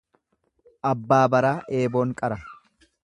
Abbaa baraa eeboon qara.